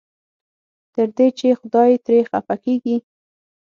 تر دې چې خدای ترې خفه کېږي.